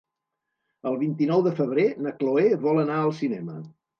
El vint-i-nou de febrer na Cloè vol anar al cinema.